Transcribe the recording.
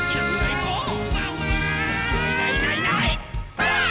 ばあっ！